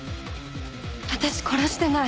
私殺してない。